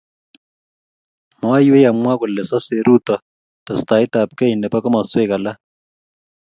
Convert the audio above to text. Maiwei amwaa kole sosei Ruto tesetaet ab kei nebo komaswek alak